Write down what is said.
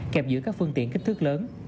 kẹp giữa các phương tiện kích thước lớn